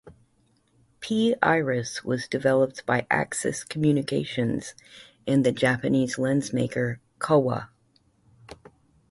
P-Iris was developed by Axis Communications and the Japanese lens maker Kowa.